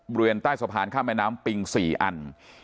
บริเวณใต้สะพานข้ามแม่น้ำปิง๔อัน